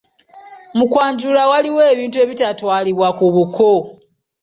"Mu kwanjula, waliwo ebintu ebitatwalibwa ku buko."